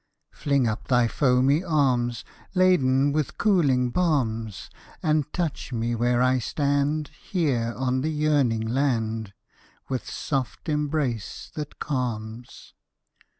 Fling up thy foamy arms, Laden with cooling balms, And touch me where I stand Here on the yearning land, With soft embrace that calms.